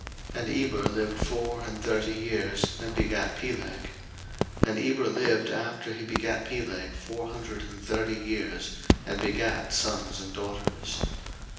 01:011:016 And Eber lived four and thirty years, and begat Peleg: 01:011:017 And Eber lived after he begat Peleg four hundred and thirty years, and begat sons and daughters.